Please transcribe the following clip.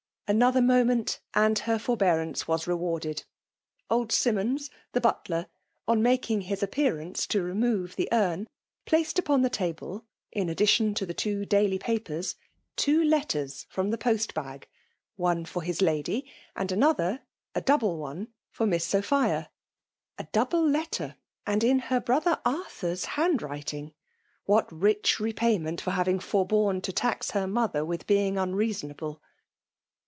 Another moment, and her forbearance was rewarded. Old Simmons, the butler, on mak ing his appearance to remove the urn, placed upon the table, in addition to the two dail}' papers, two letters from the post bag ; one for his lady, and another, a double one, for Miss Sophia. A double letter, and in her brother Arthur's hand writing !— What rich repay ment for having forborne to tax her mother with being unreasonable